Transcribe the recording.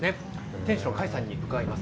店主の甲斐さんに伺います。